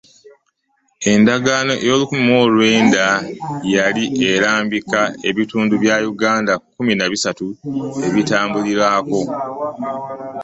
Endagaano ey'olukumi mu olw'enda yali erambika ebitundu bya Uganda kkumi na bisatu ebitambulirako ensonga